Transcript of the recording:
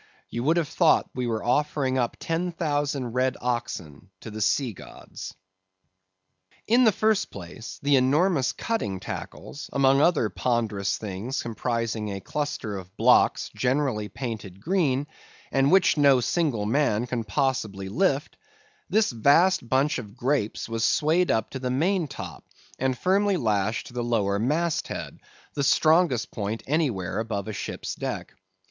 You would have thought we were offering up ten thousand red oxen to the sea gods. In the first place, the enormous cutting tackles, among other ponderous things comprising a cluster of blocks generally painted green, and which no single man can possibly lift—this vast bunch of grapes was swayed up to the main top and firmly lashed to the lower mast head, the strongest point anywhere above a ship's deck.